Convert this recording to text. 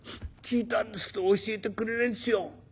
「聞いたんですけど教えてくれないんですよ」。